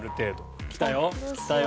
きたよ。